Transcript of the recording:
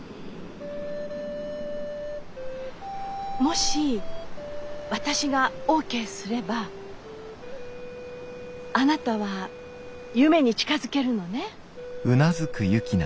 もし私がオーケーすればあなたは夢に近づけるのね？